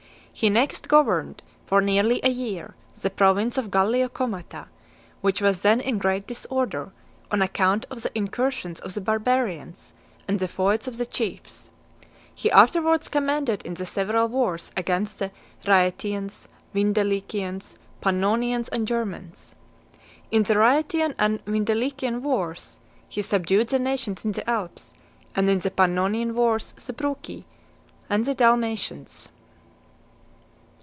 He next governed, for nearly a year, the province of Gallia Comata, which was then in great disorder, on account of the incursions of the barbarians, and the feuds of the chiefs. He afterwards commanded in the several wars against the Rhaetians, Vindelicians, Pannonians, and Germans. In the Rhaetian and Vindelician wars, he subdued the nations in the Alps; and in the Pannonian wars the Bruci, and (199) the Dalmatians.